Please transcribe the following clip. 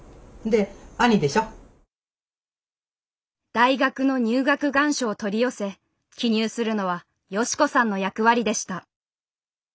大学の入学願書を取り寄せ記入するのは良子さんの役割でした。